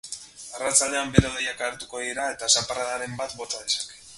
Arratsaldean bero-hodeiak agertuko dira eta zaparradaren bat bota dezake.